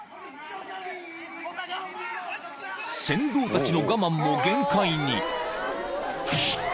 ［船頭たちの我慢も限界に］